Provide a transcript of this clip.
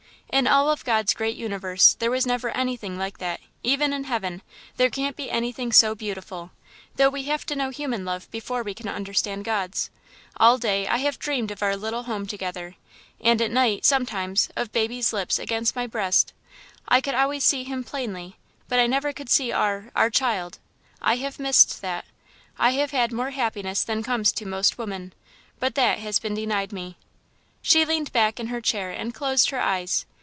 In all of God's great universe, there was never anything like that even in Heaven, there can't be anything so beautiful, though we have to know human love before we can understand God's. All day, I have dreamed of our little home together, and at night, sometimes of baby lips against my breast. I could always see him plainly, but I never could see our our child. I have missed that. I have had more happiness than comes to most women, but that has been denied me." She leaned back in her chair and closed her eyes.